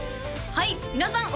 はい皆さん